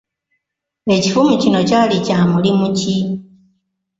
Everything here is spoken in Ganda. Ekifumu kino kyali kya mulimu ki?